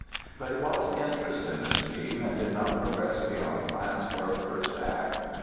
But he lost interest in the scheme and did not progress beyond plans for a first act.